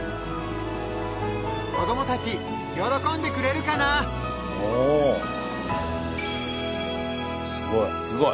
子どもたち喜んでくれるかなすごい！